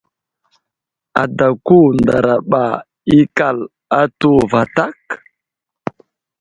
Adako ndaraɓa ikal atu vatá ?